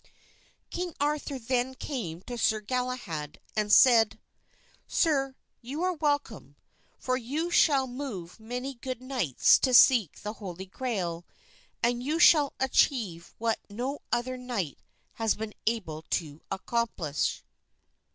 King Arthur then came to Sir Galahad and said, "Sir, you are welcome, for you shall move many good knights to seek the Holy Grail, and you shall achieve what no other knight has been able to accomplish."